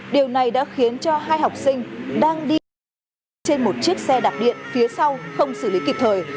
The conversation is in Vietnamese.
điều này đã khiến cho hai học sinh đang đi trên một chiếc xe đạp điện phía sau không xử lý kịp thời